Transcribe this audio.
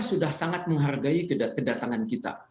sudah sangat menghargai kedatangan kita